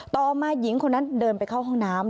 ต่อมาหญิงคนนั้นเดินไปเข้าห้องน้ำ